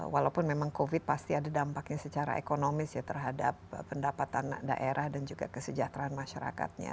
walaupun memang covid pasti ada dampaknya secara ekonomis ya terhadap pendapatan daerah dan juga kesejahteraan masyarakatnya